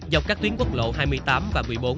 dọc các tuyến quốc lộ hai mươi tám và một mươi bốn